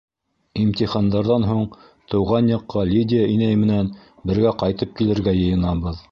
Имтихандарҙан һуң тыуған яҡҡа Лидия инәй менән бергә ҡайтып килергә йыйынабыҙ.